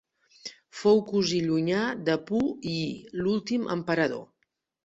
Fou cosí llunyà de Pu Yi, l'últim emperador.